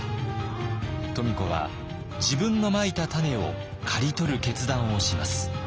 富子は自分のまいた種を刈り取る決断をします。